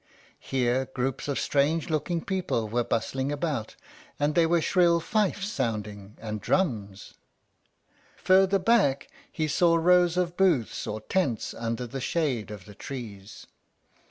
Here groups of strange looking people were bustling about, and there were shrill fifes sounding, and drums. Farther back he saw rows of booths or tents under the shade of the trees.